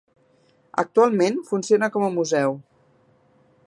Actualment funciona com a museu.